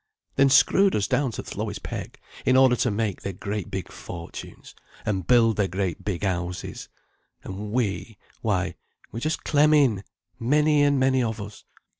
They'n screwed us down to th' lowest peg, in order to make their great big fortunes, and build their great big houses, and we, why we're just clemming, many and many of us.